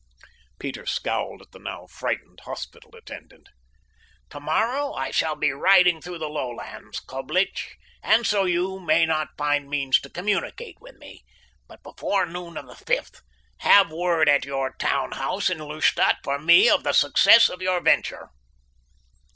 Peter scowled at the now frightened hospital attendant. "Tomorrow I shall be riding through the lowlands, Coblich, and so you may not find means to communicate with me, but before noon of the fifth have word at your town house in Lustadt for me of the success of your venture."